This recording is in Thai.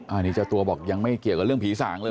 อันนี้เจ้าตัวบอกยังไม่เกี่ยวกับเรื่องผีสางเลย